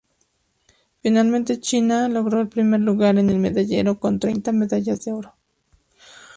Finalmente, China, logró el primer lugar en el medallero con treinta medallas de oro.